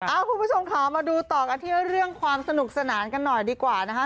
คุณผู้ชมค่ะมาดูต่อกันที่เรื่องความสนุกสนานกันหน่อยดีกว่านะคะ